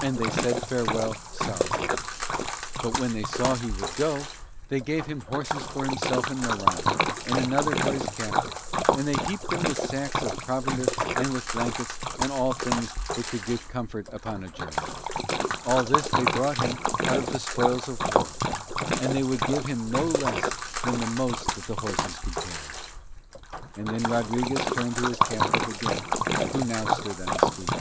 And they said farewell sorrowfully: but when they saw he would go, they gave him horses for himself and Morano, and another for his captive; and they heaped them with sacks of provender and blankets and all things that could give him comfort upon a journey: all this they brought him out of their spoils of war, and they would give him no less that the most that the horses could carry. And then Rodriguez turned to his captive again, who now stood on his feet.